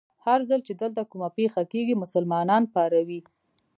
هر ځل چې دلته کومه پېښه کېږي، مسلمانان پاروي.